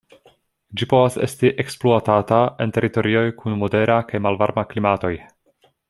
Ĝi povas esti ekspluatata en teritorioj kun modera kaj malvarma klimatoj.